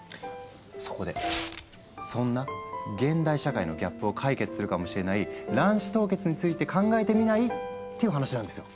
そこでそんな現代社会のギャップを解決するかもしれない卵子凍結について考えてみない？っていう話なんですよ。